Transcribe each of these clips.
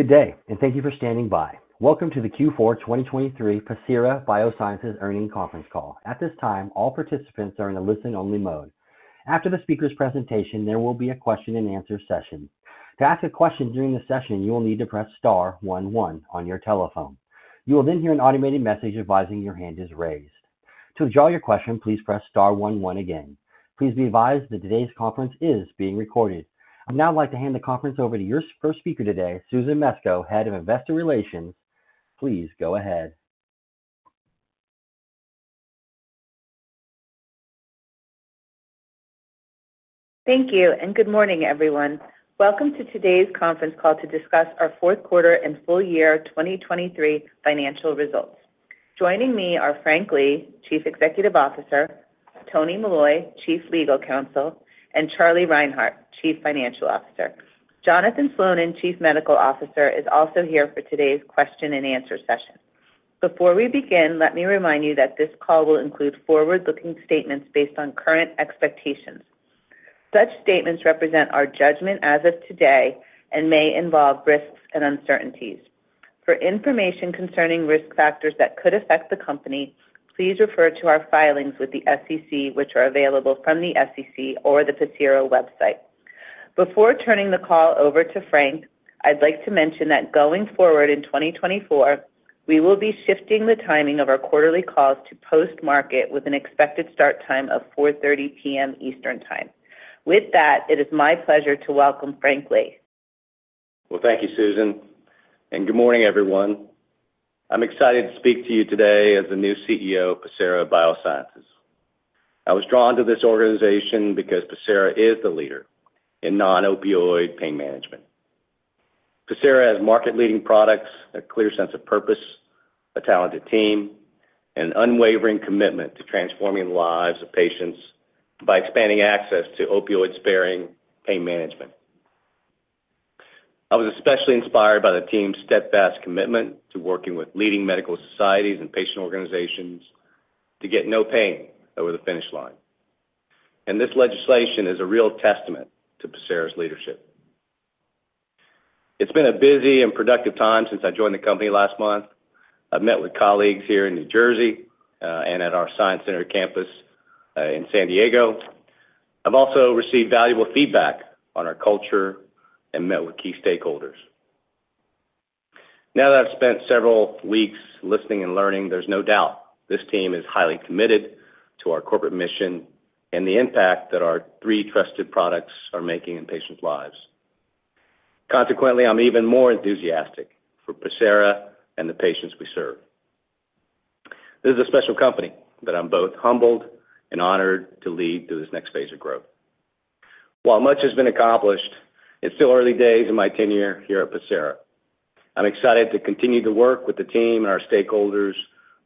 Good day, and thank you for standing by. Welcome to the Q4 2023 Pacira BioSciences Earnings Conference Call. At this time, all participants are in a listen-only mode. After the speaker's presentation, there will be a question-and-answer session. To ask a question during the session, you will need to press star one one on your telephone. You will then hear an automated message advising your hand is raised. To withdraw your question, please press star one one again. Please be advised that today's conference is being recorded. I'd now like to hand the conference over to your first speaker today, Susan Mesco, Head of Investor Relations. Please go ahead. Thank you, and good morning, everyone. Welcome to today's conference call to discuss our fourth quarter and full year 2023 financial results. Joining me are Frank Lee, Chief Executive Officer, Tony Molloy, Chief Legal Counsel, and Charlie Reinhart, Chief Financial Officer. Jonathan Slonin, Chief Medical Officer, is also here for today's question-and-answer session. Before we begin, let me remind you that this call will include forward-looking statements based on current expectations. Such statements represent our judgment as of today and may involve risks and uncertainties. For information concerning risk factors that could affect the company, please refer to our filings with the SEC, which are available from the SEC or the Pacira website. Before turning the call over to Frank, I'd like to mention that going forward in 2024, we will be shifting the timing of our quarterly calls to post-market, with an expected start time of 4:30 P.M. Eastern Time. With that, it is my pleasure to welcome Frank Lee. Well, thank you, Susan, and good morning, everyone. I'm excited to speak to you today as the new CEO of Pacira BioSciences. I was drawn to this organization because Pacira is the leader in non-opioid pain management. Pacira has market-leading products, a clear sense of purpose, a talented team, and unwavering commitment to transforming the lives of patients by expanding access to opioid-sparing pain management. I was especially inspired by the team's steadfast commitment to working with leading medical societies and patient organizations to get NOPAIN over the finish line, and this legislation is a real testament to Pacira's leadership. It's been a busy and productive time since I joined the company last month. I've met with colleagues here in New Jersey, and at our Science Center campus, in San Diego. I've also received valuable feedback on our culture and met with key stakeholders. Now that I've spent several weeks listening and learning, there's no doubt this team is highly committed to our corporate mission and the impact that our three trusted products are making in patients' lives. Consequently, I'm even more enthusiastic for Pacira and the patients we serve. This is a special company that I'm both humbled and honored to lead through this next phase of growth. While much has been accomplished, it's still early days in my tenure here at Pacira. I'm excited to continue to work with the team and our stakeholders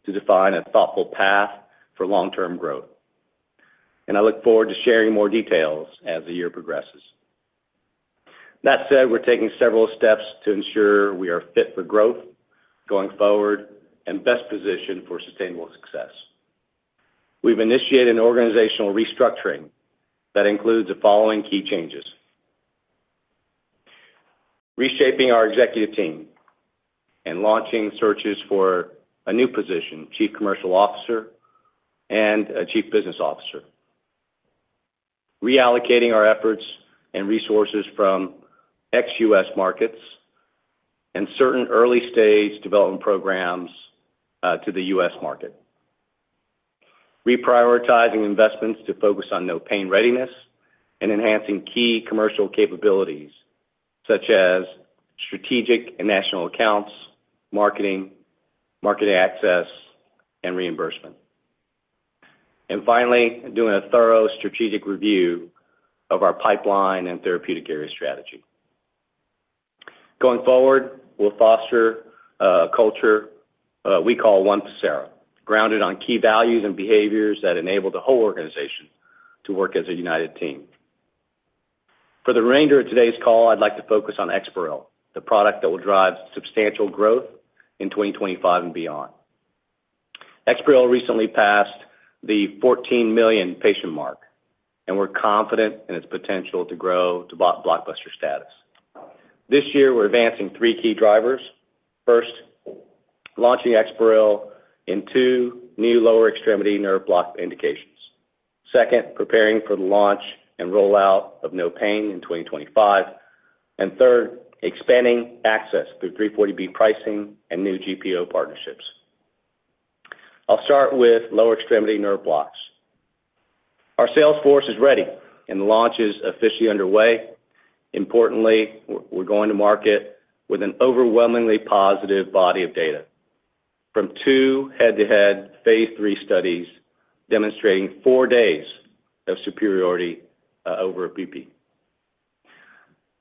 to define a thoughtful path for long-term growth, and I look forward to sharing more details as the year progresses. That said, we're taking several steps to ensure we are fit for growth going forward and best positioned for sustainable success. We've initiated an organizational restructuring that includes the following key changes: reshaping our executive team and launching searches for a new position, Chief Commercial Officer and a Chief Business Officer. Reallocating our efforts and resources from ex-U.S. markets and certain early-stage development programs to the U.S. market. Reprioritizing investments to focus on NOPAIN readiness and enhancing key commercial capabilities, such as strategic and national accounts, marketing, market access, and reimbursement. And finally, doing a thorough strategic review of our pipeline and therapeutic area strategy. Going forward, we'll foster a culture we call One Pacira, grounded on key values and behaviors that enable the whole organization to work as a united team. For the remainder of today's call, I'd like to focus on EXPAREL, the product that will drive substantial growth in 2025 and beyond. EXPAREL recently passed the 14 million patient mark, and we're confident in its potential to grow to blockbuster status. This year, we're advancing three key drivers. First, launching EXPAREL in two new lower extremity nerve block indications. Second, preparing for the launch and rollout of NOPAIN in 2025. Third, expanding access through 340B pricing and new GPO partnerships. I'll start with lower extremity nerve blocks. Our sales force is ready and the launch is officially underway. Importantly, we're going to market with an overwhelmingly positive body of data from two head-to-head phase III studies demonstrating four days of superiority over bupi.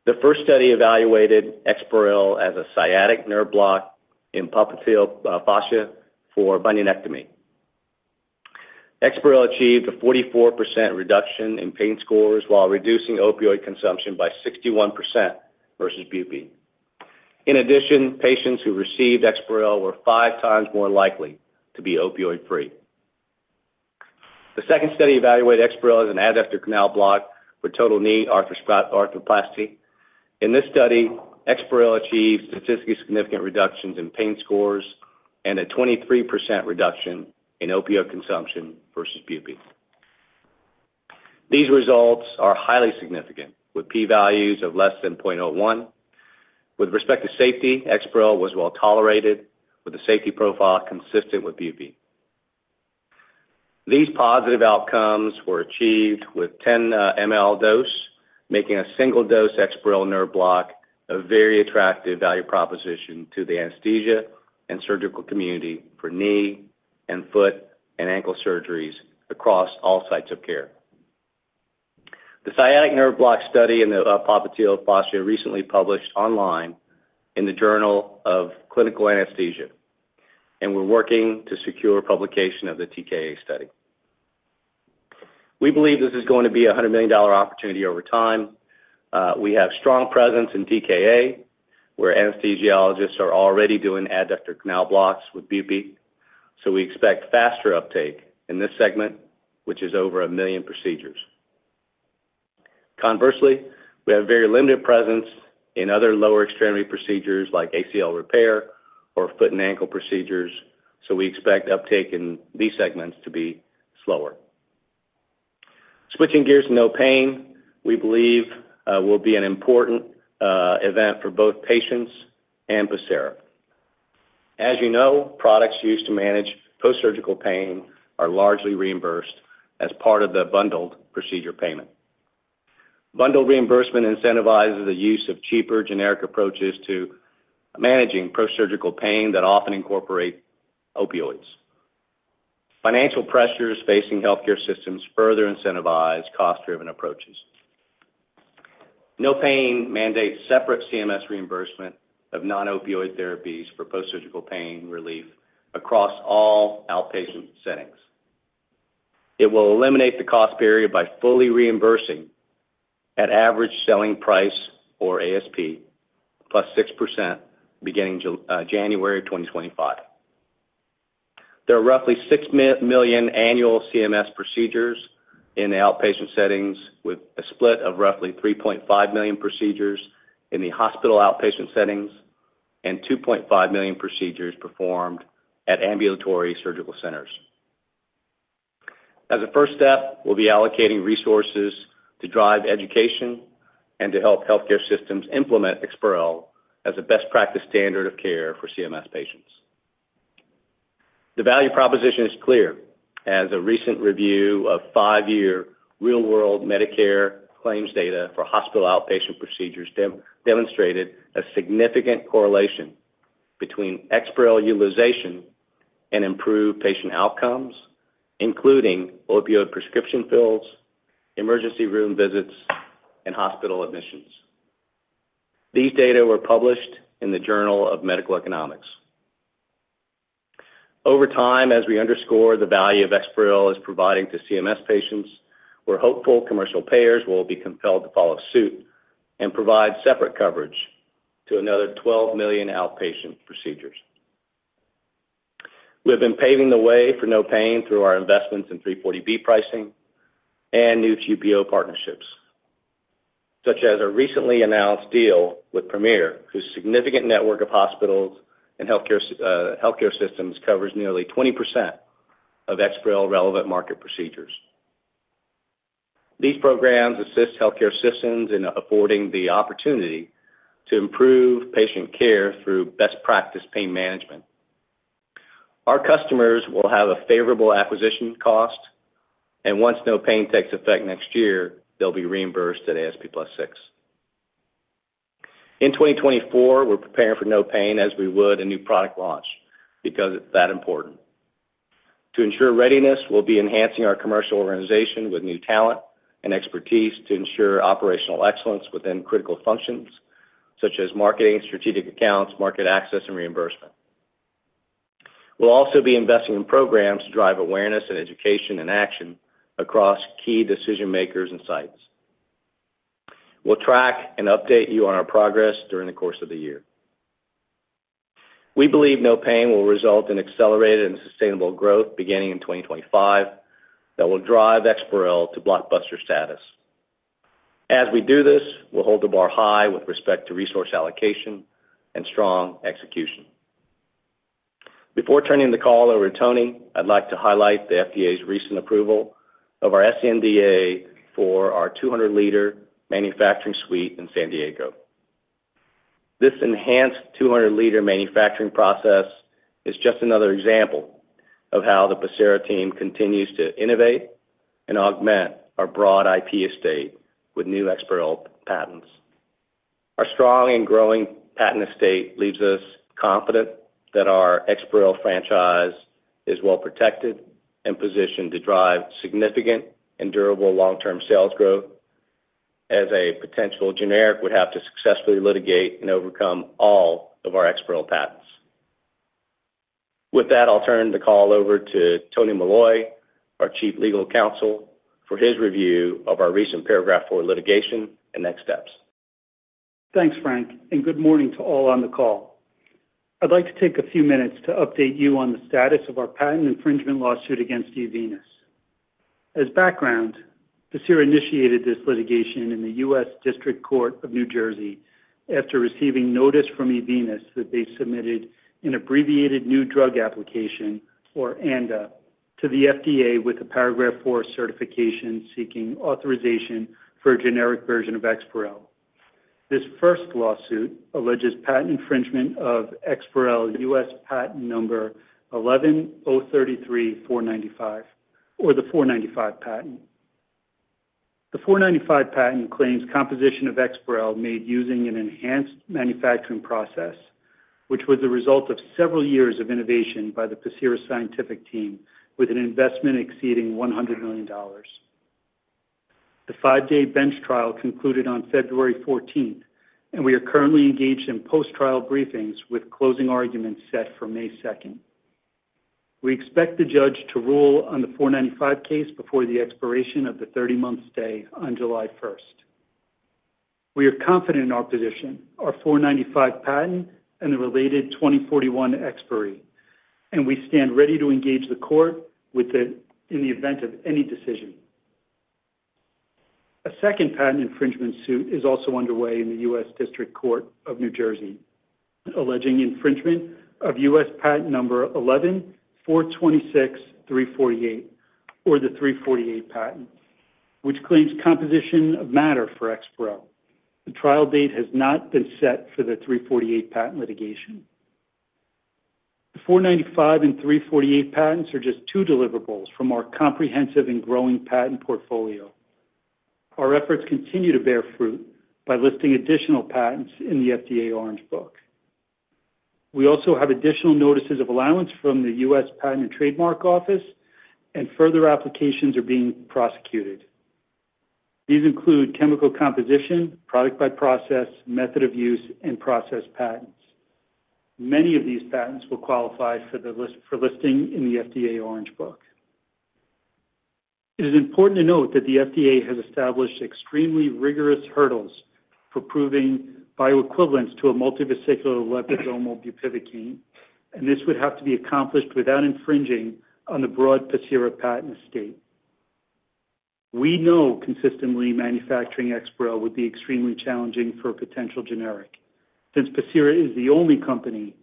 The first study evaluated EXPAREL as a sciatic nerve block in popliteal fossa for bunionectomy. EXPAREL achieved a 44% reduction in pain scores while reducing opioid consumption by 61% versus bupi. In addition, patients who received EXPAREL were five times more likely to be opioid-free. The second study evaluated EXPAREL as an adductor canal block for total knee arthroplasty. In this study, EXPAREL achieved statistically significant reductions in pain scores and a 23% reduction in opioid consumption versus bupi. These results are highly significant, with P values of less than 0.01. With respect to safety, EXPAREL was well tolerated, with a safety profile consistent with bupi. These positive outcomes were achieved with 10 ml dose, making a single dose EXPAREL nerve block a very attractive value proposition to the anesthesia and surgical community for knee and foot and ankle surgeries across all sites of care. The sciatic nerve block study in the popliteal fossa recently published online in the Journal of Clinical Anesthesia, and we're working to secure publication of the TKA study. We believe this is going to be a $100 million opportunity over time. We have strong presence in TKA, where anesthesiologists are already doing adductor canal blocks with bupi, so we expect faster uptake in this segment, which is over one million procedures. Conversely, we have very limited presence in other lower extremity procedures like ACL repair or foot and ankle procedures, so we expect uptake in these segments to be slower. Switching gears to NOPAIN, we believe will be an important event for both patients and Pacira. As you know, products used to manage post-surgical pain are largely reimbursed as part of the bundled procedure payment. Bundled reimbursement incentivizes the use of cheaper generic approaches to managing post-surgical pain that often incorporate opioids. Financial pressures facing healthcare systems further incentivize cost-driven approaches. NOPAIN Act mandates separate CMS reimbursement of non-opioid therapies for post-surgical pain relief across all outpatient settings. It will eliminate the cost barrier by fully reimbursing at average selling price, or ASP, +6% beginning January 2025. There are roughly six million annual CMS procedures in the outpatient settings, with a split of roughly 3.5 million procedures in the hospital outpatient settings and 2.5 million procedures performed at ambulatory surgical centers. As a first step, we'll be allocating resources to drive education and to help healthcare systems implement EXPAREL as a best practice standard of care for CMS patients. The value proposition is clear, as a recent review of five-year real-world Medicare claims data for hospital outpatient procedures demonstrated a significant correlation between EXPAREL utilization and improved patient outcomes, including opioid prescription fills, emergency room visits, and hospital admissions. These data were published in the Journal of Medical Economics. Over time, as we underscore the value of EXPAREL is providing to CMS patients, we're hopeful commercial payers will be compelled to follow suit and provide separate coverage to another 12 million outpatient procedures. We have been paving the way for NOPAIN through our investments in 340B pricing and new GPO partnerships, such as a recently announced deal with Premier, whose significant network of hospitals and healthcare systems covers nearly 20% of EXPAREL relevant market procedures. These programs assist healthcare systems in affording the opportunity to improve patient care through best practice pain management. Our customers will have a favorable acquisition cost, and once NOPAIN takes effect next year, they'll be reimbursed at ASP +6%. In 2024, we're preparing for NOPAIN as we would a new product launch, because it's that important. To ensure readiness, we'll be enhancing our commercial organization with new talent and expertise to ensure operational excellence within critical functions, such as marketing, strategic accounts, market access, and reimbursement. We'll also be investing in programs to drive awareness and education and action across key decision makers and sites. We'll track and update you on our progress during the course of the year. We believe NOPAIN will result in accelerated and sustainable growth beginning in 2025, that will drive EXPAREL to blockbuster status. As we do this, we'll hold the bar high with respect to resource allocation and strong execution. Before turning the call over to Tony, I'd like to highlight the FDA's recent approval of our sNDA for our 200-liter manufacturing suite in San Diego. This enhanced 200-liter manufacturing process is just another example of how the Pacira team continues to innovate and augment our broad IP estate with new EXPAREL patents. Our strong and growing patent estate leaves us confident that our EXPAREL franchise is well protected and positioned to drive significant and durable long-term sales growth, as a potential generic would have to successfully litigate and overcome all of our EXPAREL patents. With that, I'll turn the call over to Tony Molloy, our Chief Legal Counsel, for his review of our recent Paragraph IV litigation and next steps. Thanks, Frank, and good morning to all on the call. I'd like to take a few minutes to update you on the status of our patent infringement lawsuit against eVenus. As background, Pacira initiated this litigation in the U.S. District Court of New Jersey after receiving notice from eVenus that they submitted an abbreviated new drug application, or ANDA, to the FDA with a Paragraph IV certification seeking authorization for a generic version of EXPAREL. This first lawsuit alleges patent infringement of EXPAREL U.S. Patent Number 11,033,495, or the "495 Patent." The 495 Patent claims composition of EXPAREL made using an enhanced manufacturing process, which was the result of several years of innovation by the Pacira scientific team, with an investment exceeding $100 million. The five-day bench trial concluded on February 14th, and we are currently engaged in post-trial briefings, with closing arguments set for May 2nd. We expect the judge to rule on the 495 case before the expiration of the 30-month stay on July 1st. We are confident in our position, our '495 Patent, and the related 2041 expiry, and we stand ready to engage the court in the event of any decision. A second patent infringement suit is also underway in the U.S. District Court of New Jersey, alleging infringement of U.S. Patent Number 11,426,348, or the '348 Patent, which claims composition of matter for EXPAREL. The trial date has not been set for the '348 Patent litigation. The '495 and '348 patents are just two deliverables from our comprehensive and growing patent portfolio. Our efforts continue to bear fruit by listing additional patents in the FDA Orange Book. We also have additional notices of allowance from the U.S. Patent and Trademark Office, and further applications are being prosecuted. These include chemical composition, product by process, method of use, and process patents. Many of these patents will qualify for listing in the FDA Orange Book. It is important to note that the FDA has established extremely rigorous hurdles for proving bioequivalence to a multivesicular liposomal bupivacaine, and this would have to be accomplished without infringing on the broad Pacira patent estate. We know consistently manufacturing EXPAREL would be extremely challenging for a potential generic, since Pacira is the only company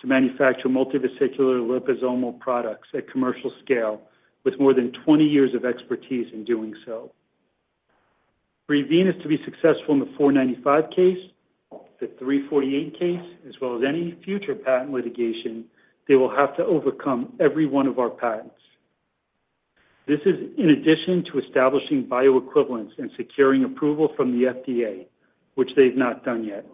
to manufacture multivesicular liposomal products at commercial scale, with more than 20 years of expertise in doing so. For eVenus to be successful in the 495 case, the 348 case, as well as any future patent litigation, they will have to overcome every one of our patents. This is in addition to establishing bioequivalence and securing approval from the FDA, which they've not done yet.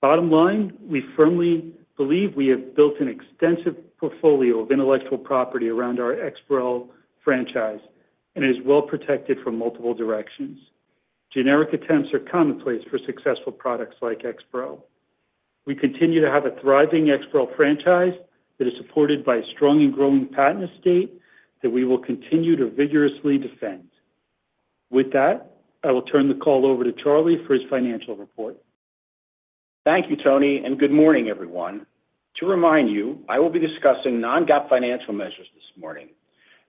Bottom line, we firmly believe we have built an extensive portfolio of intellectual property around our EXPAREL franchise, and it is well protected from multiple directions. Generic attempts are commonplace for successful products like EXPAREL. We continue to have a thriving EXPAREL franchise that is supported by a strong and growing patent estate that we will continue to vigorously defend. With that, I will turn the call over to Charlie for his financial report. Thank you, Tony, and good morning, everyone. To remind you, I will be discussing non-GAAP financial measures this morning.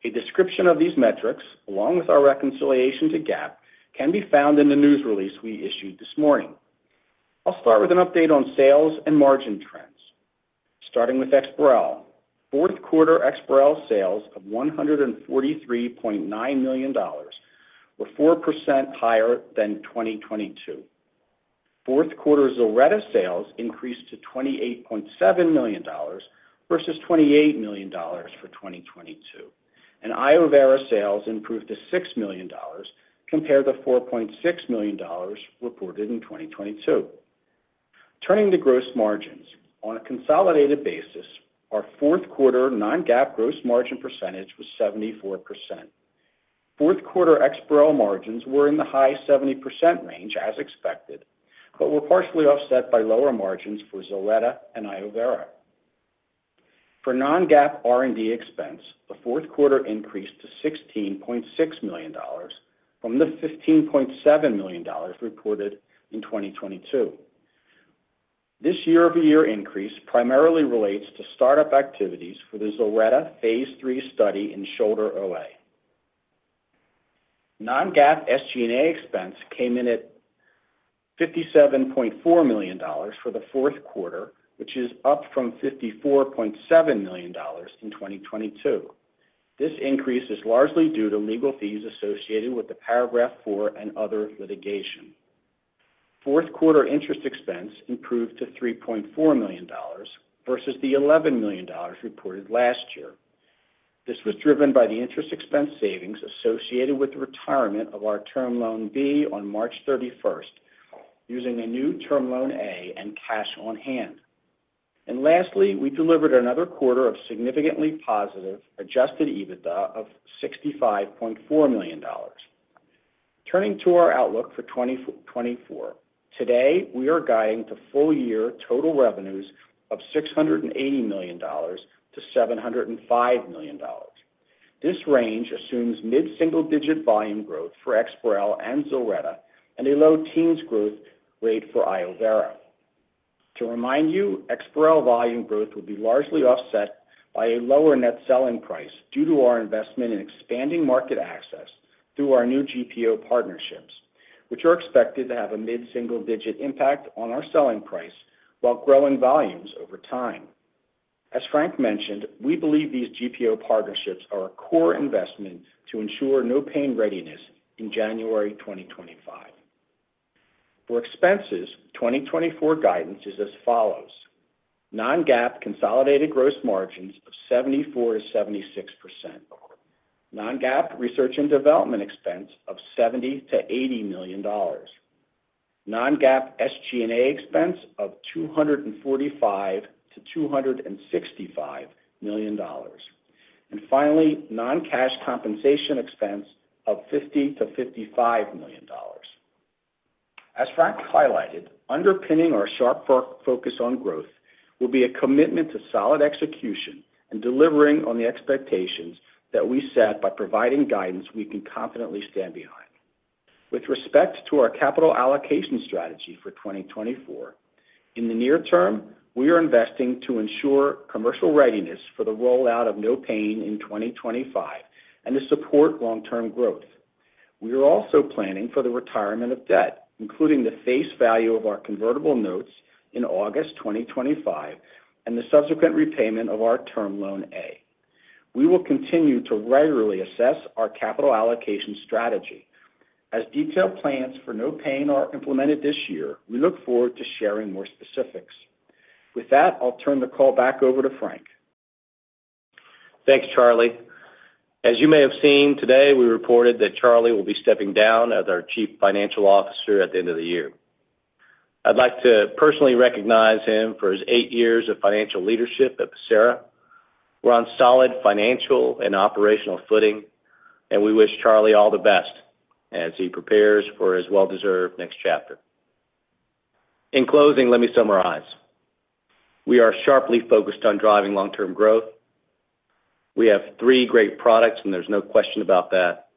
A description of these metrics, along with our reconciliation to GAAP, can be found in the news release we issued this morning. I'll start with an update on sales and margin trends. Starting with EXPAREL, fourth quarter EXPAREL sales of $143.9 million were 4% higher than 2022. Fourth quarter ZILRETTA sales increased to $28.7 million versus $28 million for 2022, and iovera sales improved to $6 million, compared to $4.6 million reported in 2022. Turning to gross margins. On a consolidated basis, our fourth quarter non-GAAP gross margin percentage was 74%. Fourth quarter EXPAREL margins were in the high 70% range, as expected, but were partially offset by lower margins for ZILRETTA and iovera. For non-GAAP R&D expense, the fourth quarter increased to $16.6 million from the $15.7 million reported in 2022. This year-over-year increase primarily relates to startup activities for the ZILRETTA phase III study in shoulder OA. Non-GAAP SG&A expense came in at $57.4 million for the fourth quarter, which is up from $54.7 million in 2022. This increase is largely due to legal fees associated with the Paragraph Four and other litigation. Fourth quarter interest expense improved to $3.4 million versus the $11 million reported last year. This was driven by the interest expense savings associated with the retirement of our Term Loan B on March 31st, using a new Term Loan A and cash on hand. And lastly, we delivered another quarter of significantly positive adjusted EBITDA of $65.4 million. Turning to our outlook for 2024. Today, we are guiding to full-year total revenues of $680 million-$705 million. This range assumes mid-single-digit volume growth for EXPAREL and ZILRETTA and a low teens growth rate for iovera. To remind you, EXPAREL volume growth will be largely offset by a lower net selling price due to our investment in expanding market access through our new GPO partnerships, which are expected to have a mid-single-digit impact on our selling price while growing volumes over time. As Frank mentioned, we believe these GPO partnerships are a core investment to ensure NOPAIN readiness in January 2025. For expenses, 2024 guidance is as follows: non-GAAP consolidated gross margins of 74%-76%, non-GAAP research and development expense of $70 million-$80 million, non-GAAP SG&A expense of $245 million-$265 million, and finally, non-cash compensation expense of $50 million-$55 million. As Frank highlighted, underpinning our sharp focus on growth will be a commitment to solid execution and delivering on the expectations that we set by providing guidance we can confidently stand behind. With respect to our capital allocation strategy for 2024, in the near term, we are investing to ensure commercial readiness for the rollout of NOPAIN in 2025 and to support long-term growth. We are also planning for the retirement of debt, including the face value of our convertible notes in August 2025 and the subsequent repayment of our Term Loan A. We will continue to regularly assess our capital allocation strategy. As detailed plans for NOPAIN are implemented this year, we look forward to sharing more specifics. With that, I'll turn the call back over to Frank. Thanks, Charlie. As you may have seen today, we reported that Charlie will be stepping down as our Chief Financial Officer at the end of the year. I'd like to personally recognize him for his eight years of financial leadership at Pacira. We're on solid financial and operational footing, and we wish Charlie all the best as he prepares for his well-deserved next chapter. In closing, let me summarize. We are sharply focused on driving long-term growth. We have three great products, and there's no question about that.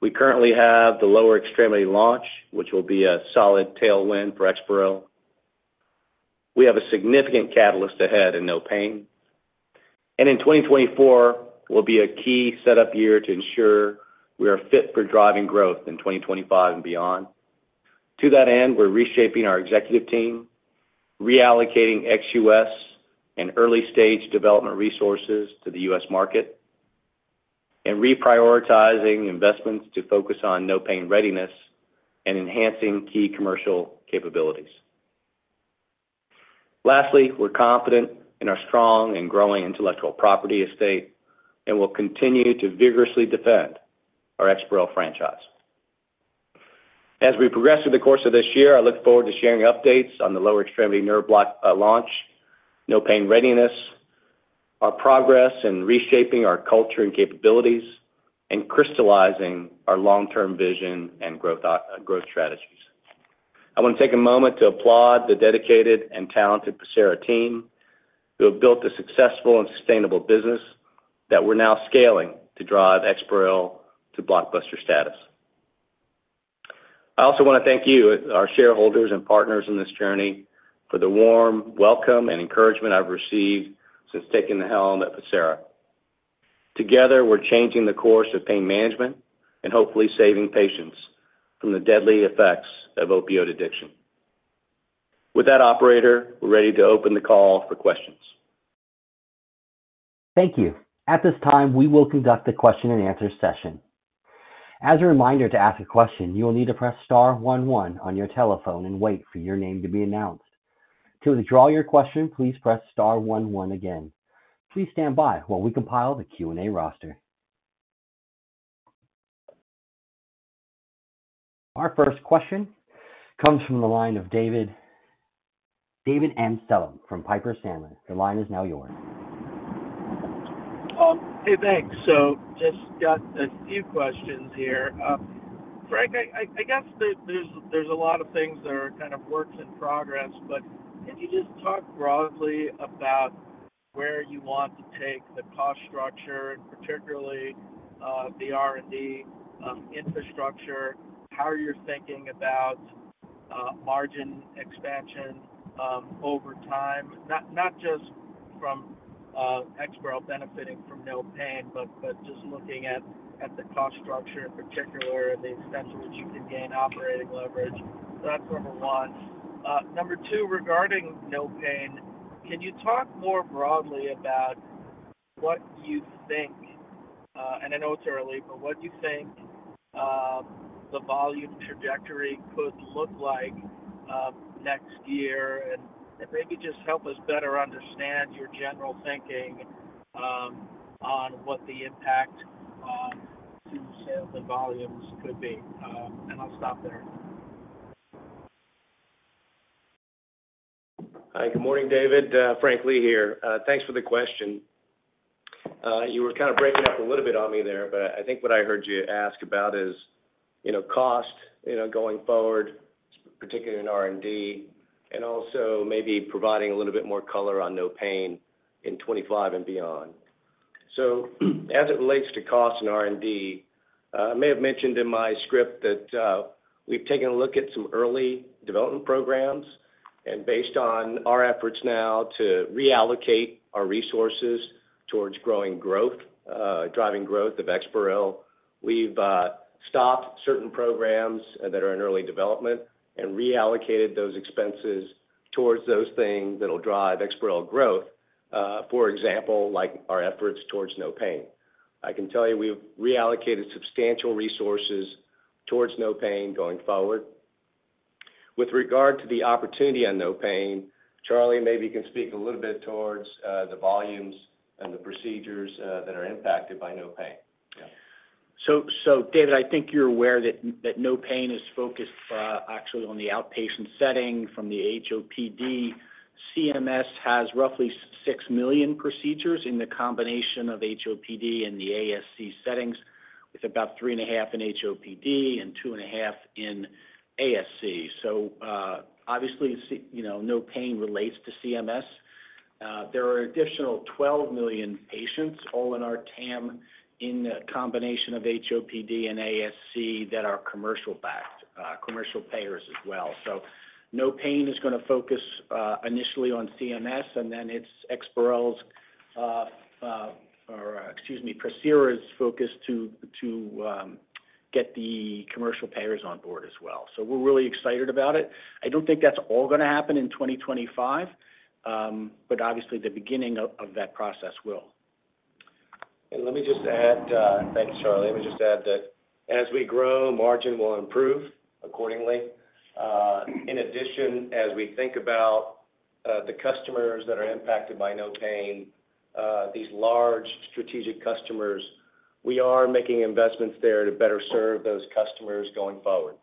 We currently have the lower extremity launch, which will be a solid tailwind for EXPAREL. We have a significant catalyst ahead in NOPAIN, and 2024 will be a key setup year to ensure we are fit for driving growth in 2025 and beyond. To that end, we're reshaping our executive team, reallocating ex-U.S. and early-stage development resources to the U.S. market, and reprioritizing investments to focus on NOPAIN readiness and enhancing key commercial capabilities. Lastly, we're confident in our strong and growing intellectual property estate, and we'll continue to vigorously defend our EXPAREL franchise. As we progress through the course of this year, I look forward to sharing updates on the lower extremity nerve block launch, NOPAIN readiness, our progress in reshaping our culture and capabilities, and crystallizing our long-term vision and growth, growth strategies. I want to take a moment to applaud the dedicated and talented Pacira team, who have built a successful and sustainable business that we're now scaling to drive EXPAREL to blockbuster status. I also want to thank you, our shareholders and partners in this journey, for the warm welcome and encouragement I've received since taking the helm at Pacira. Together, we're changing the course of pain management and hopefully saving patients from the deadly effects of opioid addiction. With that, operator, we're ready to open the call for questions. Thank you. At this time, we will conduct a question-and-answer session. As a reminder, to ask a question, you will need to press star one one on your telephone and wait for your name to be announced. To withdraw your question, please press star one one again. Please stand by while we compile the Q&A roster. Our first question comes from the line of David. David Amsellem from Piper Sandler. The line is now yours. Hey, thanks. So just got a few questions here. Frank, I guess there's a lot of things that are kind of works in progress, but can you just talk broadly about where you want to take the cost structure, and particularly, the R&D infrastructure? How are you thinking about margin expansion over time, not just from EXPAREL benefiting from NOPAIN, but just looking at the cost structure, in particular, the extent to which you can gain operating leverage? So that's number one. Number two, regarding NOPAIN, can you talk more broadly about what you think, and I know it's early, but what you think the volume trajectory could look like next year? Maybe just help us better understand your general thinking on what the impact to sales and volumes could be. And I'll stop there. Hi, good morning, David. Frank Lee here. Thanks for the question. You were kind of breaking up a little bit on me there, but I think what I heard you ask about is, you know, cost, you know, going forward, particularly in R&D, and also maybe providing a little bit more color on NOPAIN in 25 and beyond. So as it relates to cost and R&D, I may have mentioned in my script that, we've taken a look at some early development programs, and based on our efforts now to reallocate our resources towards growing growth, driving growth of EXPAREL, we've, stopped certain programs that are in early development and reallocated those expenses towards those things that'll drive EXPAREL growth, for example, like our efforts towards NOPAIN. I can tell you we've reallocated substantial resources towards NOPAIN going forward. With regard to the opportunity on NOPAIN, Charlie, maybe you can speak a little bit towards the volumes and the procedures that are impacted by NOPAIN. Yeah. So, David, I think you're aware that NOPAIN is focused, actually, on the outpatient setting from the HOPD. CMS has roughly six million procedures in the combination of HOPD and the ASC settings, with about 3.5 million in HOPD and 2.5 million in ASC. So, obviously, you know, NOPAIN relates to CMS. There are additional 12 million patients all in our TAM, in a combination of HOPD and ASC that are commercial backed, commercial payers as well. So NOPAIN is gonna focus, initially on CMS, and then it's EXPAREL's, or excuse me, Pacira's focus to get the commercial payers on board as well. So we're really excited about it. I don't think that's all gonna happen in 2025, but obviously, the beginning of that process will. Thank you, Charlie. Let me just add that as we grow, margin will improve accordingly. In addition, as we think about the customers that are impacted by NOPAIN, these large strategic customers, we are making investments there to better serve those customers going forward.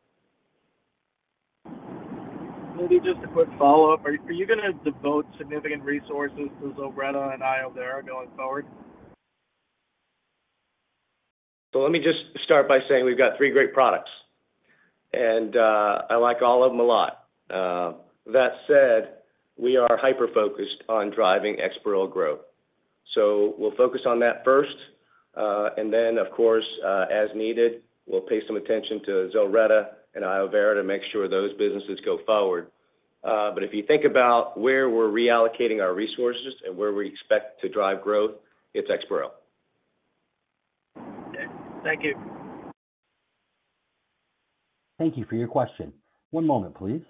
Maybe just a quick follow-up. Are you gonna devote significant resources to ZILRETTA and iovera going forward? So let me just start by saying we've got three great products, and I like all of them a lot. That said, we are hyper-focused on driving EXPAREL growth. So we'll focus on that first, and then, of course, as needed, we'll pay some attention to ZILRETTA and iovera° to make sure those businesses go forward. But if you think about where we're reallocating our resources and where we expect to drive growth, it's EXPAREL. Thank you. Thank you for your question. One moment, please.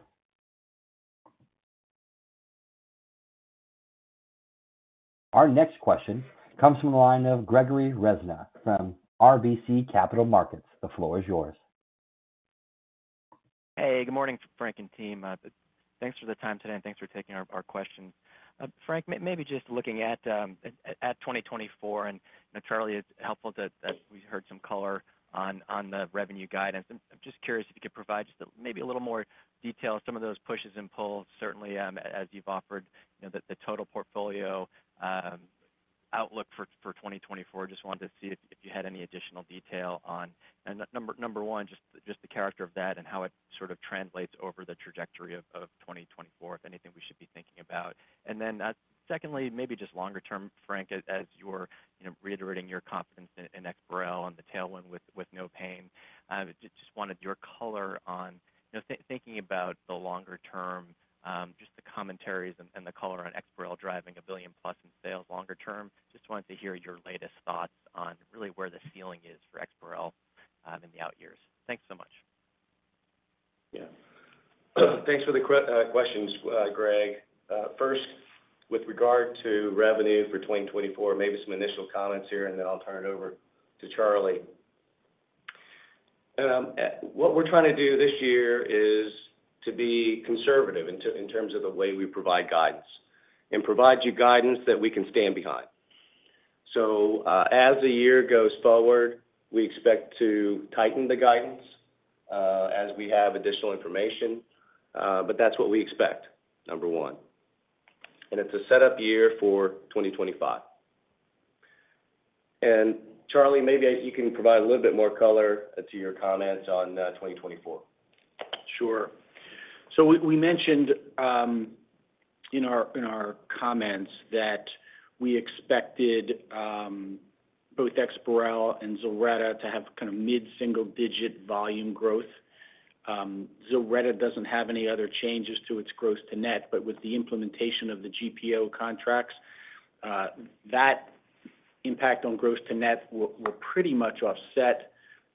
Our next question comes from the line of Gregory Renza from RBC Capital Markets. The floor is yours. Hey, good morning, Frank and team. Thanks for the time today, and thanks for taking our questions. Frank, maybe just looking at 2024, and Charlie, it's helpful that we heard some color on the revenue guidance. I'm just curious if you could provide just maybe a little more detail, some of those pushes and pulls, certainly, as you've offered, you know, the total portfolio outlook for 2024. Just wanted to see if you had any additional detail on... And number one, just the character of that and how it sort of translates over the trajectory of 2024, if anything we should be thinking about. And then, secondly, maybe just longer term, Frank, as you're, you know, reiterating your confidence in EXPAREL on the tailwind with NOPAIN, just wanted your color on, you know, thinking about the longer term, just the commentaries and the color on EXPAREL driving $1 billion-plus in sales longer term. Just wanted to hear your latest thoughts on really where the ceiling is for EXPAREL in the out years. Thanks so much. Yeah. Thanks for the questions, Greg. First, with regard to revenue for 2024, maybe some initial comments here, and then I'll turn it over to Charlie. What we're trying to do this year is to be conservative in terms of the way we provide guidance, and provide you guidance that we can stand behind. So, as the year goes forward, we expect to tighten the guidance, as we have additional information, but that's what we expect, number one. And it's a set-up year for 2025. And Charlie, maybe you can provide a little bit more color to your comments on 2024. Sure. So we mentioned in our comments that we expected both EXPAREL and ZILRETTA to have kind of mid-single digit volume growth. ZILRETTA doesn't have any other changes to its gross to net, but with the implementation of the GPO contracts, that impact on gross to net will pretty much offset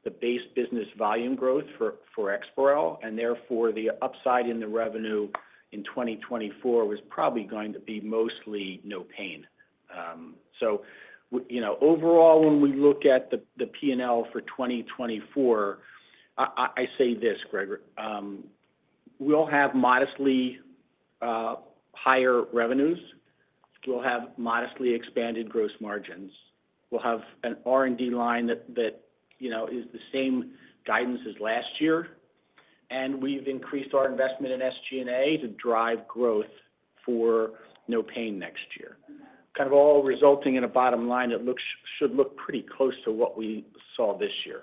the base business volume growth for EXPAREL, and therefore, the upside in the revenue in 2024 was probably going to be mostly NOPAIN. So you know, overall, when we look at the P&L for 2024, I say this, Gregory: We'll have modestly higher revenues. We'll have modestly expanded gross margins. We'll have an R&D line that, you know, is the same guidance as last year, and we've increased our investment in SG&A to drive growth for NOPAIN next year... kind of all resulting in a bottom line that should look pretty close to what we saw this year.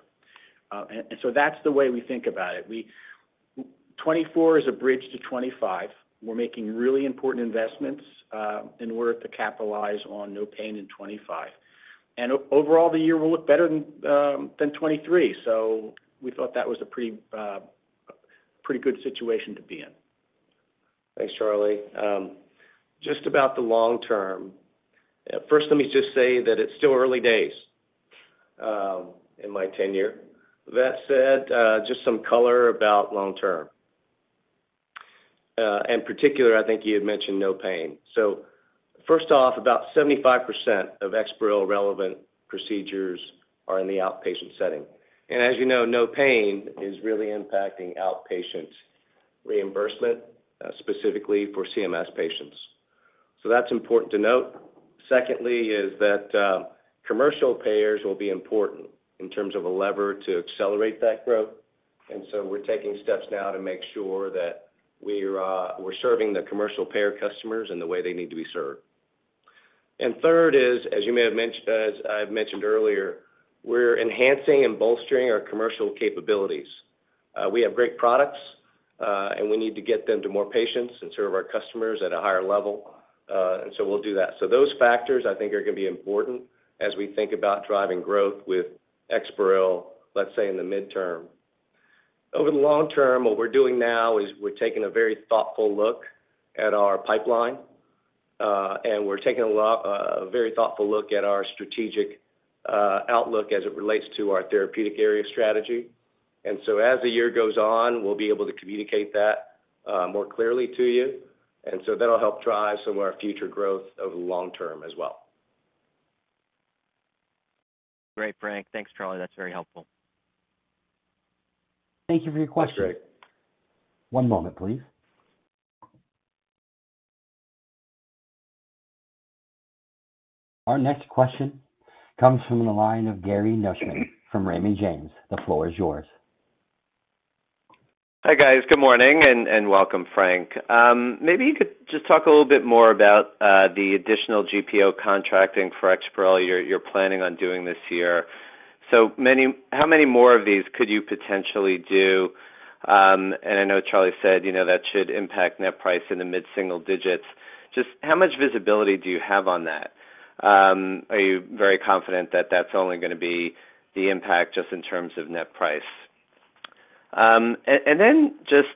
And so that's the way we think about it. 2024 is a bridge to 2025. We're making really important investments in order to capitalize on NOPAIN in 2025. And overall, the year will look better than 2023. So we thought that was a pretty good situation to be in. Thanks, Charlie. Just about the long term. First, let me just say that it's still early days in my tenure. That said, just some color about long term. In particular, I think you had mentioned NOPAIN. So first off, about 75% of EXPAREL relevant procedures are in the outpatient setting. And as you know, NOPAIN is really impacting outpatient reimbursement, specifically for CMS patients. So that's important to note. Secondly is that, commercial payers will be important in terms of a lever to accelerate that growth, and so we're taking steps now to make sure that we're serving the commercial payer customers in the way they need to be served. And third is, as you may have mentioned- as I've mentioned earlier, we're enhancing and bolstering our commercial capabilities. We have great products, and we need to get them to more patients and serve our customers at a higher level, and so we'll do that. So those factors, I think, are going to be important as we think about driving growth with EXPAREL, let's say, in the midterm. Over the long term, what we're doing now is we're taking a very thoughtful look at our pipeline, and we're taking a very thoughtful look at our strategic outlook as it relates to our therapeutic area strategy. And so as the year goes on, we'll be able to communicate that more clearly to you, and so that'll help drive some of our future growth over the long term as well. Great, Frank. Thanks, Charlie. That's very helpful. Thank you for your question. That's great. One moment, please. Our next question comes from the line of Gary Nachman from Raymond James. The floor is yours. Hi, guys. Good morning and welcome, Frank. Maybe you could just talk a little bit more about the additional GPO contracting for EXPAREL you're planning on doing this year. How many more of these could you potentially do? And I know Charlie said, you know, that should impact net price in the mid-single digits. Just how much visibility do you have on that? Are you very confident that that's only gonna be the impact just in terms of net price? And then just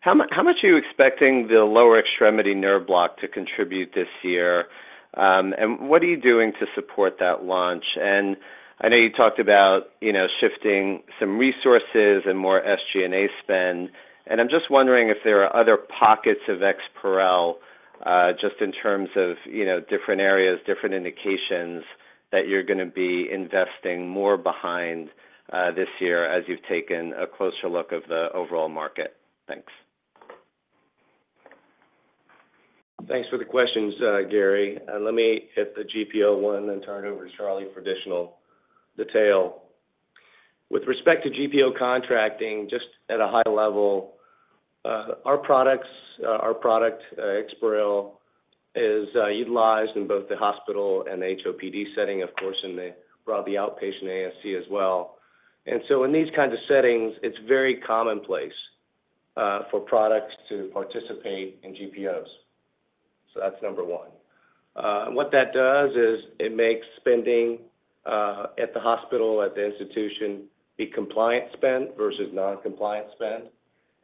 how much are you expecting the lower extremity nerve block to contribute this year? And what are you doing to support that launch? And I know you talked about, you know, shifting some resources and more SG&A spend, and I'm just wondering if there are other pockets of EXPAREL, just in terms of, you know, different areas, different indications, that you're gonna be investing more behind, this year as you've taken a closer look of the overall market. Thanks. Thanks for the questions, Gary. Let me hit the GPO one and turn it over to Charlie for additional detail. With respect to GPO contracting, just at a high level, our product, EXPAREL, is utilized in both the hospital and HOPD setting, of course, in the outpatient ASC as well. And so in these kinds of settings, it's very commonplace for products to participate in GPOs. So that's number one. What that does is it makes spending at the hospital, at the institution, be compliant spend versus non-compliant spend.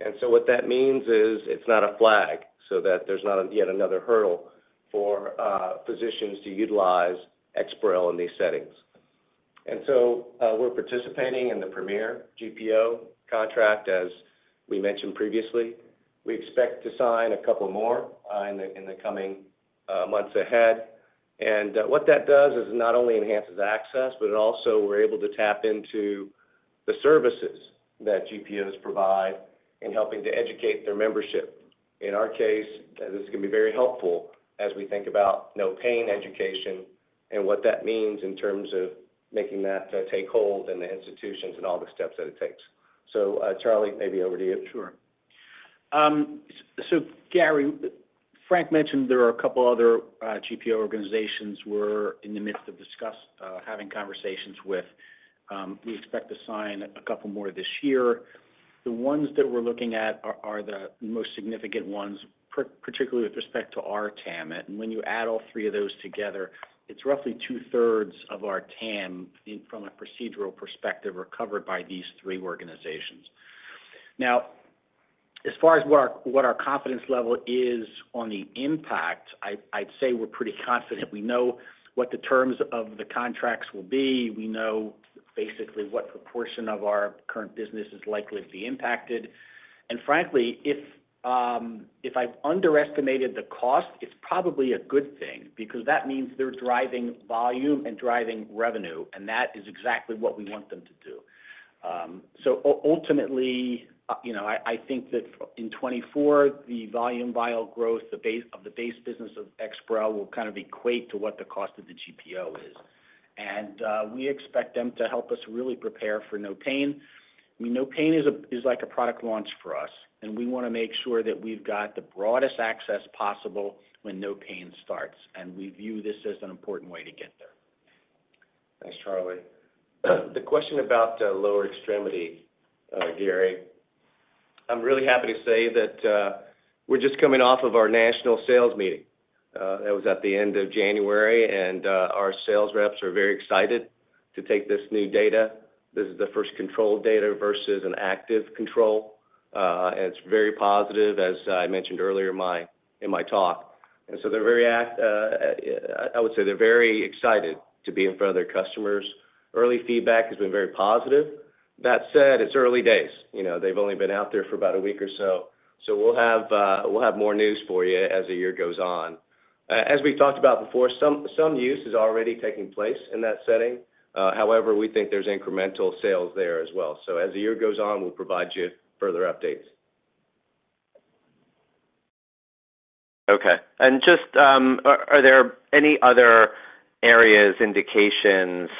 And so what that means is it's not a flag, so that there's not yet another hurdle for physicians to utilize EXPAREL in these settings. And so, we're participating in the Premier GPO contract, as we mentioned previously. We expect to sign a couple more in the coming months ahead. And what that does is it not only enhances access, but it also we're able to tap into the services that GPOs provide in helping to educate their membership. In our case, this is gonna be very helpful as we think about NOPAIN education and what that means in terms of making that take hold in the institutions and all the steps that it takes. So, Charlie, maybe over to you. Sure. So Gary, Frank mentioned there are a couple other GPO organizations we're in the midst of having conversations with. We expect to sign a couple more this year. The ones that we're looking at are the most significant ones, particularly with respect to our TAM. And when you add all three of those together, it's roughly two-thirds of our TAM, from a procedural perspective, are covered by these three organizations. Now, as far as what our confidence level is on the impact, I'd say we're pretty confident. We know what the terms of the contracts will be. We know basically what proportion of our current business is likely to be impacted. And frankly, if I've underestimated the cost, it's probably a good thing because that means they're driving volume and driving revenue, and that is exactly what we want them to do. So ultimately, you know, I think that in 2024, the volume vial growth, the base of the base business of EXPAREL will kind of equate to what the cost of the GPO is. And we expect them to help us really prepare for NOPAIN. WeNOPAIN is like a product launch for us, and we wanna make sure that we've got the broadest access possible when NOPAIN starts, and we view this as an important way to get there. Thanks, Charlie. The question about lower extremity, Gary, I'm really happy to say that we're just coming off of our national sales meeting that was at the end of January, and our sales reps are very excited to take this new data. This is the first controlled data versus an active control. It's very positive, as I mentioned earlier in my talk. And so I would say they're very excited to be in front of their customers. Early feedback has been very positive. That said, it's early days. You know, they've only been out there for about a week or so, so we'll have more news for you as the year goes on. As we talked about before, some use is already taking place in that setting. However, we think there's incremental sales there as well. As the year goes on, we'll provide you further updates. Okay. And just, are there any other areas, indications,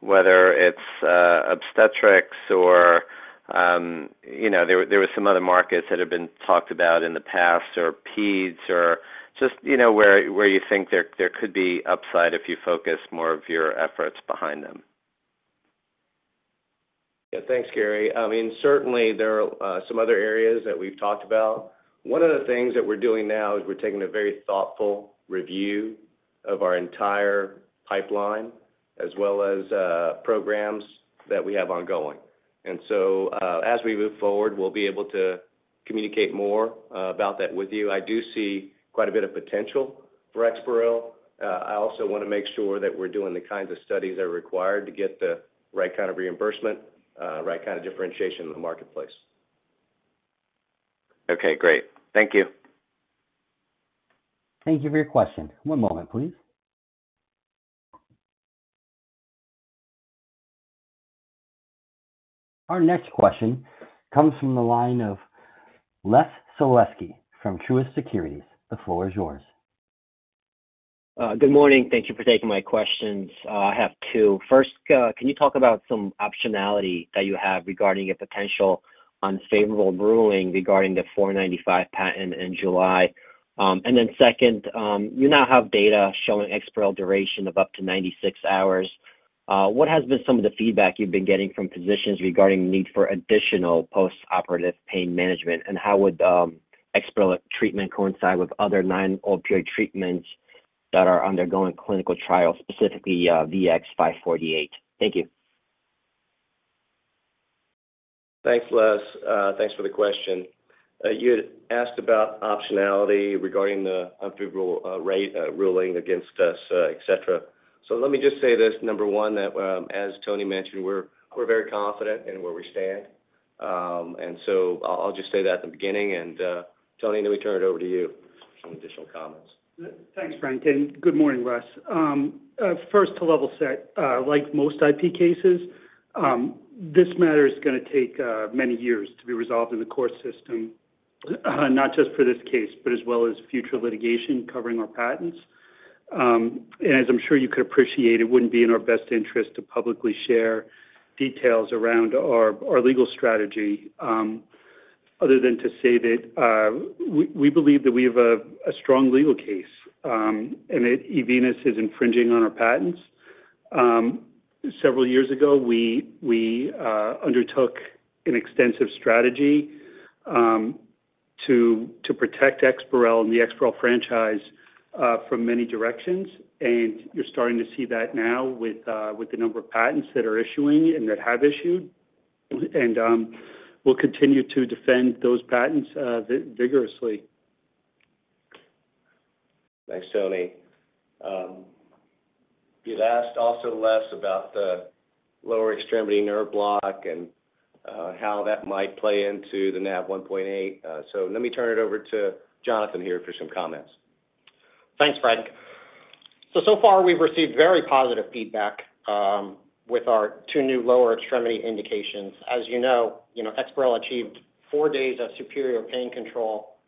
whether it's obstetrics or, you know, there were some other markets that have been talked about in the past, or peds or just, you know, where you think there could be upside if you focus more of your efforts behind them? Yeah, thanks, Gary. I mean, certainly, there are some other areas that we've talked about. One of the things that we're doing now is we're taking a very thoughtful review of our entire pipeline, as well as programs that we have ongoing. And so, as we move forward, we'll be able to communicate more about that with you. I do see quite a bit of potential for EXPAREL. I also wanna make sure that we're doing the kinds of studies that are required to get the right kind of reimbursement, right kind of differentiation in the marketplace. Okay, great. Thank you. Thank you for your question. One moment, please. Our next question comes from the line of Les Sulewski from Truist Securities. The floor is yours. Good morning. Thank you for taking my questions. I have two. First, can you talk about some optionality that you have regarding a potential unfavorable ruling regarding the 495 patent in July? And then second, you now have data showing EXPAREL duration of up to 96 hours. What has been some of the feedback you've been getting from physicians regarding need for additional postoperative pain management? And how would EXPAREL treatment coincide with other non-opioid treatments that are undergoing clinical trials, specifically, VX-548? Thank you. Thanks, Les. Thanks for the question. You asked about optionality regarding the unfavorable rate ruling against us, etc. So let me just say this, number one, that, as Tony mentioned, we're very confident in where we stand. And so I'll just say that at the beginning, and, Tony, let me turn it over to you for some additional comments. Thanks, Frank, and good morning, Les. First, to level set, like most IP cases, this matter is gonna take many years to be resolved in the court system, not just for this case, but as well as future litigation covering our patents. As I'm sure you could appreciate, it wouldn't be in our best interest to publicly share details around our legal strategy, other than to say that we believe that we have a strong legal case, and that eVenus is infringing on our patents. Several years ago, we undertook an extensive strategy to protect EXPAREL and the EXPAREL franchise from many directions, and you're starting to see that now with the number of patents that are issuing and that have issued, and we'll continue to defend those patents vigorously. Thanks, Tony. You'd asked also, Les, about the lower extremity nerve block and how that might play into the Nav1.8. So let me turn it over to Jonathan here for some comments. Thanks, Frank. So far, we've received very positive feedback with our two new lower extremity indications. As you know, you know, EXPAREL achieved four days of superior pain control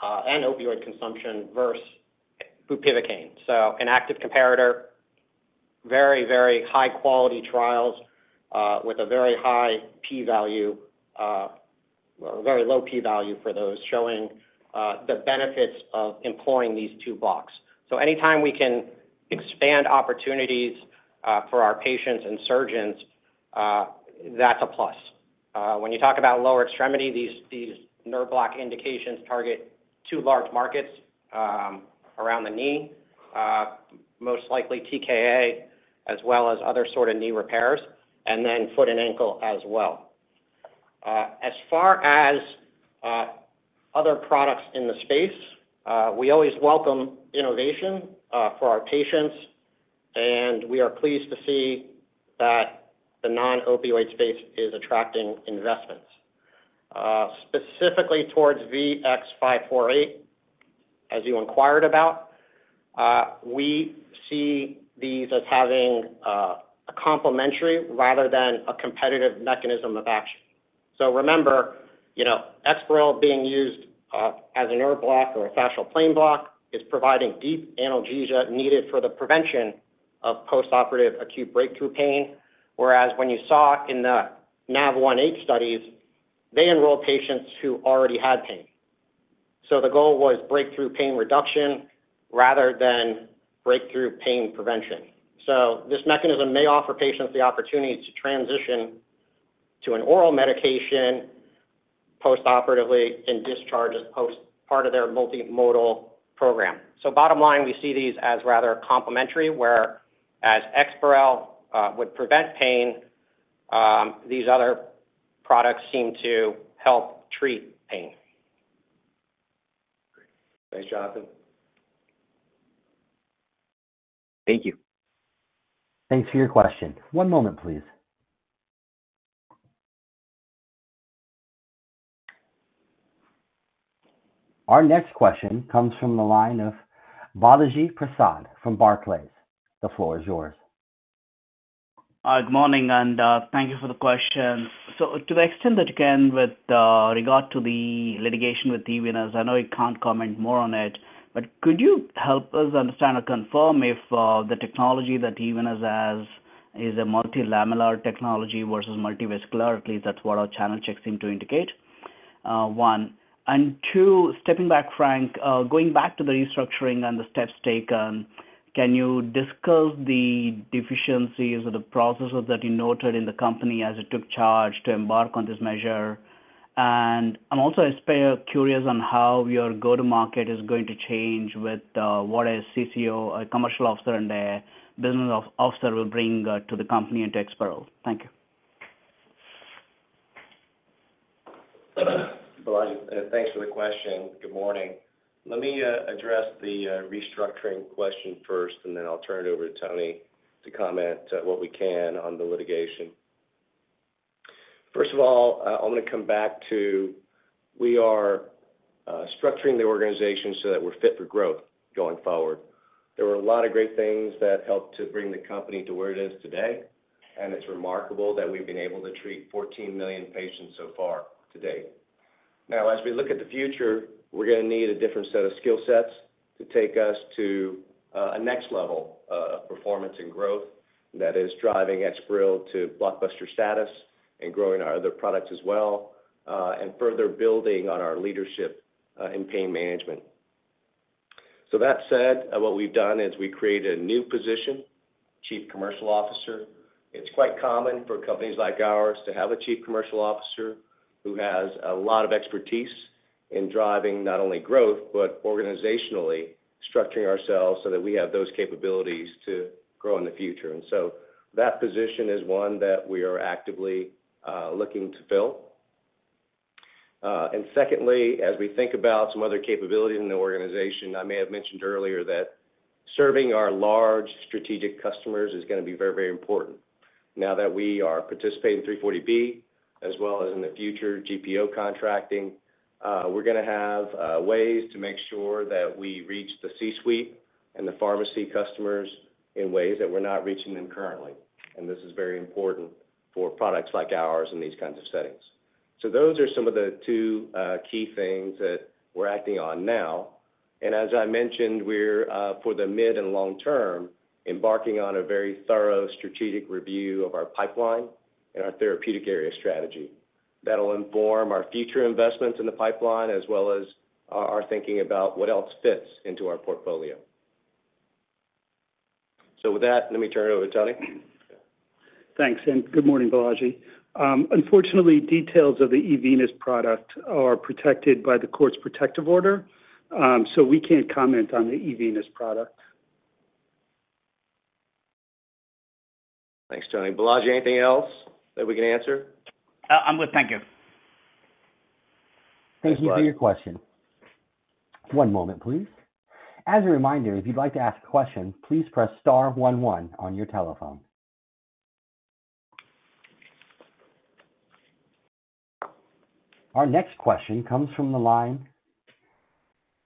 and opioid consumption versus bupivacaine. So an active comparator, very, very high-quality trials with a very high p-value or a very low p-value for those, showing the benefits of employing these two blocks. So anytime we can expand opportunities for our patients and surgeons, that's a plus. When you talk about lower extremity, these nerve block indications target two large markets around the knee, most likely TKA, as well as other sort of knee repairs, and then foot and ankle as well. As far as other products in the space, we always welcome innovation for our patients, and we are pleased to see that the non-opioid space is attracting investments. Specifically towards VX-548, as you inquired about, we see these as having a complementary rather than a competitive mechanism of action. So remember, you know, EXPAREL being used as a nerve block or a fascial plane block is providing deep analgesia needed for the prevention of postoperative acute breakthrough pain, whereas when you saw in the NAV1.8 studies, they enrolled patients who already had pain. So the goal was breakthrough pain reduction rather than breakthrough pain prevention. So this mechanism may offer patients the opportunity to transition to an oral medication postoperatively and discharge as part of their multimodal program. So bottom line, we see these as rather complementary, whereas EXPAREL would prevent pain, these other products seem to help treat pain. Great. Thanks, Jonathan. Thank you. Thanks for your question. One moment, please. Our next question comes from the line of Balaji Prasad from Barclays. The floor is yours. Good morning, and thank you for the questions. So to the extent that you can with regard to the litigation with eVenus, I know you can't comment more on it, but could you help us understand or confirm if the technology that eVenus has is a multilamellar technology versus multivesicular? At least that's what our channel checks seem to indicate, one. And two, stepping back, Frank, going back to the restructuring and the steps taken, can you discuss the deficiencies or the processes that you noted in the company as it took charge to embark on this measure? And I'm also just curious on how your go-to-market is going to change with what a CCO, a commercial officer, and a business officer will bring to the company and to EXPAREL. Thank you. Balaji, thanks for the question. Good morning. Let me address the restructuring question first, and then I'll turn it over to Tony to comment what we can on the litigation. First of all, I'm gonna come back to we are structuring the organization so that we're fit for growth going forward. There were a lot of great things that helped to bring the company to where it is today, and it's remarkable that we've been able to treat 14 million patients so far to date. Now, as we look at the future, we're gonna need a different set of skill sets to take us to a next level of performance and growth that is driving EXPAREL to blockbuster status and growing our other products as well, and further building on our leadership in pain management. So that said, what we've done is we created a new position, Chief Commercial Officer. It's quite common for companies like ours to have a Chief Commercial Officer who has a lot of expertise in driving not only growth, but organizationally structuring ourselves so that we have those capabilities to grow in the future. And so that position is one that we are actively looking to fill. And secondly, as we think about some other capabilities in the organization, I may have mentioned earlier that serving our large strategic customers is gonna be very, very important. Now that we are participating in 340B as well as in the future GPO contracting, we're gonna have ways to make sure that we reach the C-suite and the pharmacy customers in ways that we're not reaching them currently. This is very important for products like ours in these kinds of settings. So those are some of the two key things that we're acting on now, and as I mentioned, we're for the mid and long term, embarking on a very thorough strategic review of our pipeline and our therapeutic area strategy. That'll inform our future investments in the pipeline, as well as our thinking about what else fits into our portfolio. With that, let me turn it over to Tony. Thanks, and good morning, Balaji. Unfortunately, details of the eVenus product are protected by the court's protective order, so we can't comment on the eVenus product. Thanks, Tony. Balaji, anything else that we can answer? I'm good. Thank you. Thank you for your question. One moment, please. As a reminder, if you'd like to ask a question, please press star one one on your telephone. Our next question comes from the line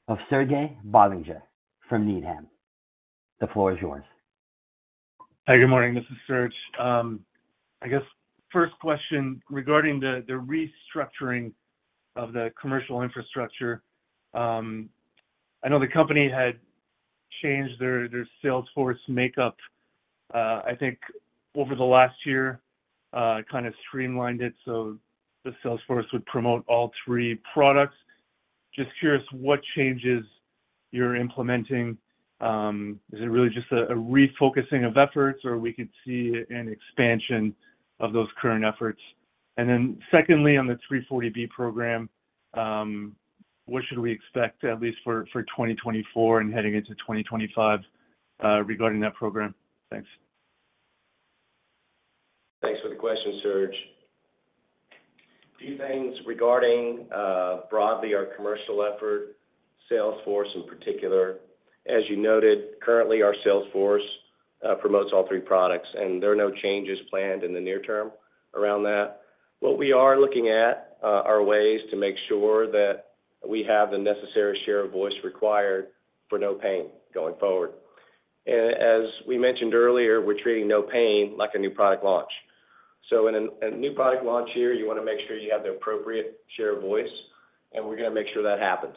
of Serge Belanger from Needham. The floor is yours. Hi, good morning. This is Serge. I guess first question regarding the restructuring of the commercial infrastructure. I know the company had changed their sales force makeup. I think over the last year, kind of streamlined it so the sales force would promote all three products. Just curious what changes you're implementing. Is it really just a refocusing of efforts, or we could see an expansion of those current efforts? And then secondly, on the 340B program, what should we expect at least for 2024 and heading into 2025, regarding that program? Thanks. Thanks for the question, Serge. A few things regarding broadly our commercial effort, sales force in particular. As you noted, currently, our sales force promotes all three products, and there are no changes planned in the near term around that. What we are looking at are ways to make sure that we have the necessary share of voice required for NOPAIN going forward. And as we mentioned earlier, we're treating NOPAIN like a new product launch. So in a new product launch here, you wanna make sure you have the appropriate share of voice, and we're gonna make sure that happens.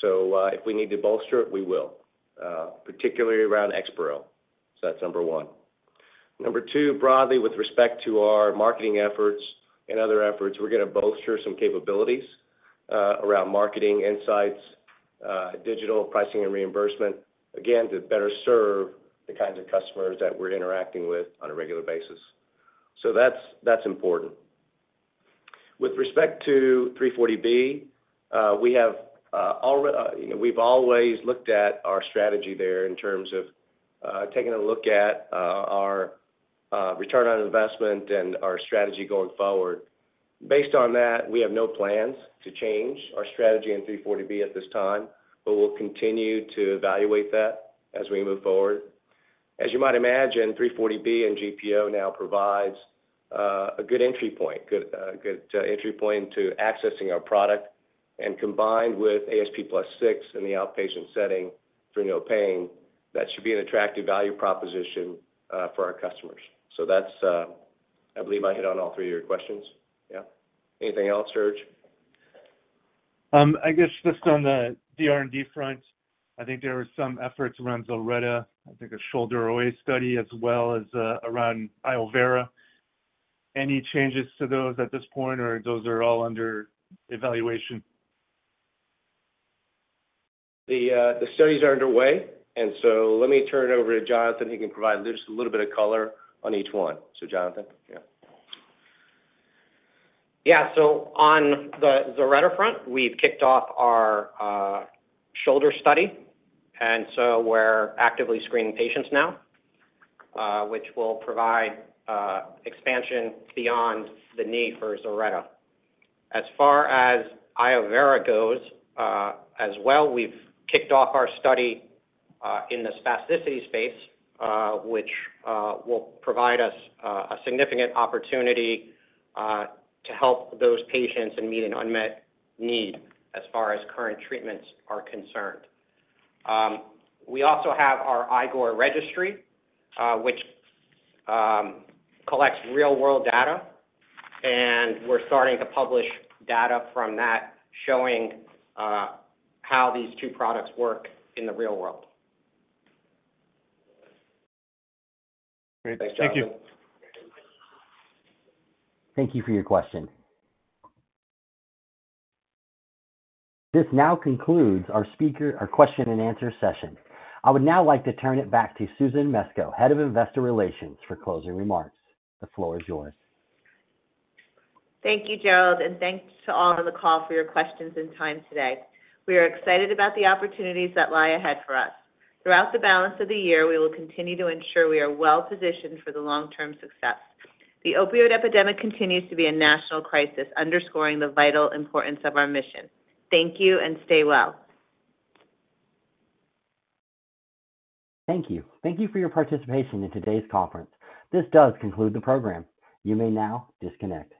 So if we need to bolster it, we will, particularly around EXPAREL. So that's number one. Number two, broadly, with respect to our marketing efforts and other efforts, we're gonna bolster some capabilities around marketing insights, digital pricing and reimbursement, again, to better serve the kinds of customers that we're interacting with on a regular basis. So that's, that's important. With respect to 340B, we have, you know, we've always looked at our strategy there in terms of taking a look at our return on investment and our strategy going forward. Based on that, we have no plans to change our strategy in 340B at this time, but we'll continue to evaluate that as we move forward. As you might imagine, 340B and GPO now provides a good entry point to accessing our product, and combined with ASP plus six in the outpatient setting for NOPAIN, that should be an attractive value proposition for our customers. So that's... I believe I hit on all three of your questions. Yeah. Anything else, Serge? I guess just on the R&D front, I think there were some efforts around ZILRETTA, I think a shoulder OA study as well as around iovera. Any changes to those at this point, or those are all under evaluation? The studies are underway, and so let me turn it over to Jonathan, he can provide just a little bit of color on each one. So Jonathan, yeah. Yeah. So on the ZILRETTA front, we've kicked off our shoulder study, and so we're actively screening patients now, which will provide expansion beyond the knee for ZILRETTA. As far as iovera goes, as well, we've kicked off our study in the spasticity space, which will provide us a significant opportunity to help those patients and meet an unmet need as far as current treatments are concerned. We also have our iGOR registry, which collects real-world data, and we're starting to publish data from that, showing how these two products work in the real world. Great. Thank you. Thanks, Jonathan. Thank you for your question. This now concludes our question-and-answer session. I would now like to turn it back to Susan Mesco, Head of Investor Relations, for closing remarks. The floor is yours. Thank you, Gerald, and thanks to all on the call for your questions and time today. We are excited about the opportunities that lie ahead for us. Throughout the balance of the year, we will continue to ensure we are well positioned for the long-term success. The opioid epidemic continues to be a national crisis, underscoring the vital importance of our mission. Thank you and stay well. Thank you. Thank you for your participation in today's conference. This does conclude the program. You may now disconnect.